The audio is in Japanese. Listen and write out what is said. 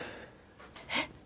えっ！？